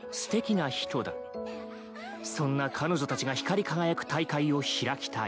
［そんな彼女たちが光り輝く大会を開きたい］